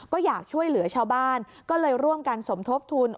ก็อยากช่วยเหลือชาวบ้านก็เลยร่วมกันสมทบทุน